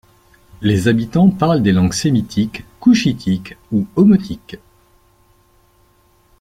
Les habitants parlent des langues sémitiques, couchitiques ou omotiques.